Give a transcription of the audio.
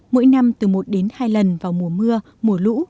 mỗi năm từ một đến hai lần vào mùa mưa mùa lũ